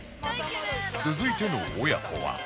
続いての親子は